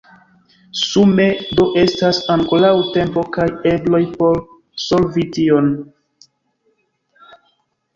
Sume do estas ankoraŭ tempo kaj ebloj por solvi tion.